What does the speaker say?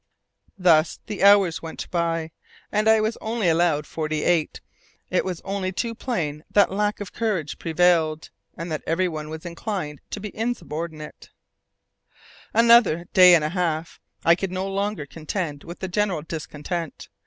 Thus, as the hours went by and I was only allowed forty eight it was only too plain that lack of courage prevailed, and that everyone was inclined to be insubordinate. After another day and a half, I could no longer contend with the general discontent.